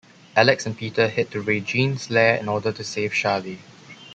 Alex and Peter head to Regine's lair in order to save Charley.